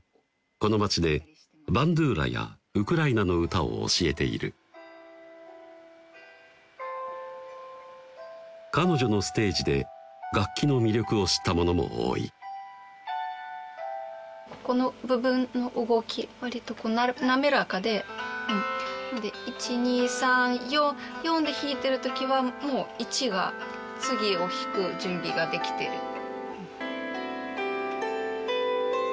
この街でバンドゥーラやウクライナの歌を教えている彼女のステージで楽器の魅力を知った者も多いこの部分の動き割と滑らかでで１２３４４で弾いてる時はもう１が次を弾く準備ができてる「えっ？」